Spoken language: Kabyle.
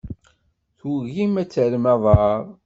Tugim ad terrem aḍar?